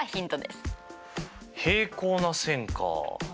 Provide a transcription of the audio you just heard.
平行な線か。